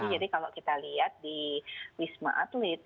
jadi kalau kita lihat di wisma atlet